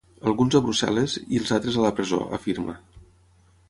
Alguns a Brussel·les i els altres a la presó, afirma.